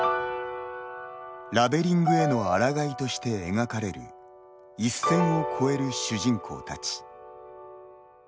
ラベリングへのあらがいとして描かれる一線を超える主人公たち。